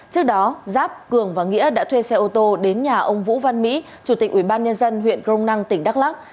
trước đó giáp cường và nghĩa đã thuê xe ô tô đến nhà ông vũ văn mỹ chủ tịch ubnd huyện crong năng tỉnh đắk lắc